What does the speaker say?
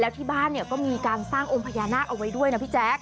ที่บ้านเนี่ยก็มีการสร้างองค์พญานาคเอาไว้ด้วยนะพี่แจ๊ค